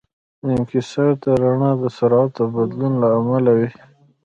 انکسار د رڼا د سرعت د بدلون له امله وي.